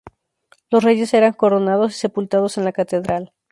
Los reyes eran coronados y sepultados en la catedral.